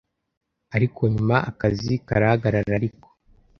ariko nyuma akazi karahagarara ariko